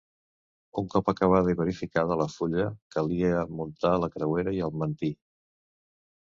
Un cop acabada i verificada la fulla calia muntar la creuera i el mantí.